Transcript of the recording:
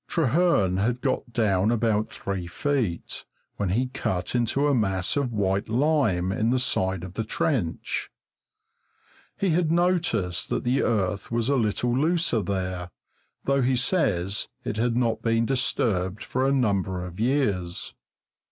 Trehearn had got down about three feet when he cut into a mass of white lime in the side of the trench. He had noticed that the earth was a little looser there, though he says it had not been disturbed for a number of years.